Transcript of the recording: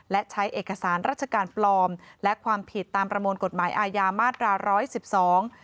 และใช้เอกสารราชการปลอมและความผิดตามประมวลกฎหมายอาญามาตราร้อยสิบสอง